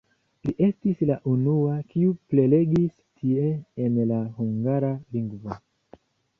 Li estis la unua, kiu prelegis tie en la hungara lingvo.